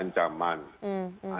ancamannya itu ya